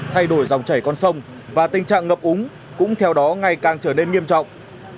thay đổi dòng chảy con sông và tình trạng ngập úng cũng theo đó ngày càng trở nên nghiêm trọng